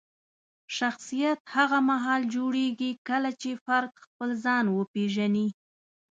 شخصیت هغه مهال جوړېږي کله چې فرد خپل ځان وپیژني.